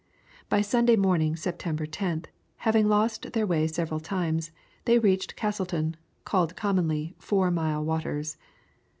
By Sunday morning, September 10th, having lost their way several times, they reached Castleton, called commonly Four Mile Waters.